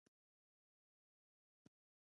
ایا زه باید ردبول وڅښم؟